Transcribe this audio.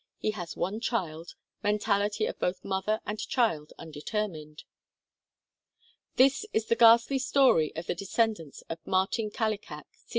He has one child ; mentality of both mother and child undetermined. This is the ghastly story of the descendants of Martin Kallikak Sr.